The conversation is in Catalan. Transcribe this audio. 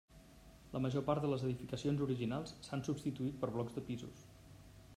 La major part de les edificacions originals s'han substituït per blocs de pisos.